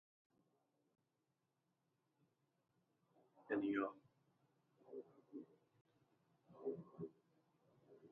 • O‘rmondagi hamma daraxtlar bir xil bo‘lmaganidek odamlar ham har xil.